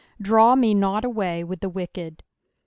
Draa me not aiteay with the wieked."